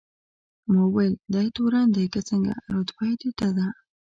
ما وویل: دی تورن دی که څنګه؟ رتبه یې ټیټه ده.